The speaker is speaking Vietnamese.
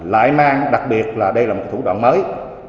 lại mang đặc biệt là đây là một thủ đoạn mới